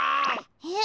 えっ？